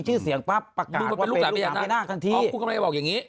อ๋อคุณกำลังจะบอกอย่างนี้